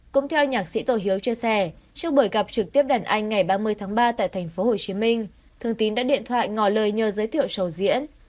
cũng theo nhạc sĩ tổ hiếu chia sẻ trước buổi gặp trực tiếp đàn anh ngày ba mươi tháng ba tại tp hcm thương tín đã điện thoại ngò lời nhờ giới thiệu sầu diễn